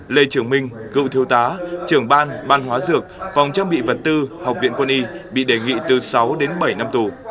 lê trường minh cựu thiếu tá trưởng ban ban hóa dược phòng trang bị vật tư học viện quân y bị đề nghị từ sáu đến bảy năm tù